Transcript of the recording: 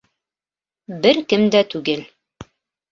Бер кем дә түгел.